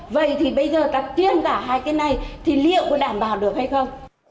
vậy thì bây giờ ta chuyên cả hai cái này thì liệu có đảm bảo được hay không